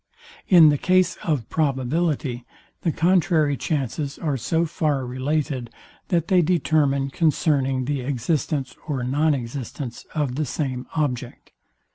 In the case of probability the contrary chances are so far related, that they determine concerning the existence or non existence of the same object.